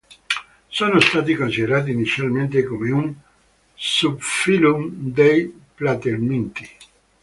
Sono stati considerati inizialmente come un subphylum dei platelminti.